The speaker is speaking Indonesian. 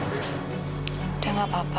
udah gak apa apa